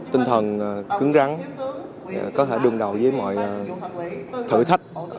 tinh thần cứng rắn có thể đương đầu với mọi thử thách